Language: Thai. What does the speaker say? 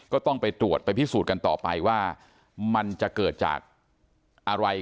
ก็ต้องไปตรวจไปพิสูจน์กันต่อไปว่ามันจะเกิดจากอะไร